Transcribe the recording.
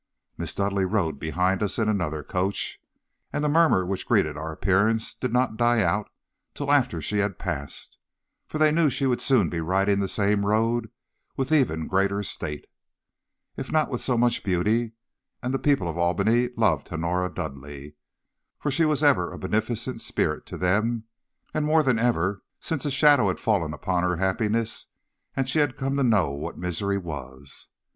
"Miss Dudleigh rode behind us in another coach, and the murmur which greeted our appearance did not die out till after she had passed, for they knew she would soon be riding the same road with even greater state, if not with so much beauty; and the people of Albany loved Honora Dudleigh, for she was ever a beneficent spirit to them, and more than ever, since a shadow had fallen upon her happiness, and she had come to know what misery was.